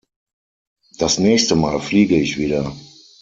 Das nächste mal fliege ich wieder.